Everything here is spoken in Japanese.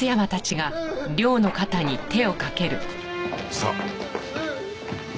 さあ。